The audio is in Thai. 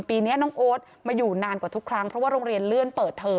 ปีนี้น้องโอ๊ตมาอยู่นานกว่าทุกครั้งเพราะว่าโรงเรียนเลื่อนเปิดเทอม